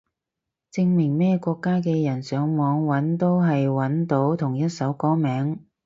證明咩國家嘅人上網搵都係搵到同一首歌名